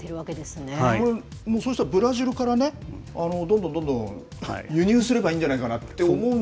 そうしたら、ブラジルからどんどんどんどん輸入すればいいんじゃないかな？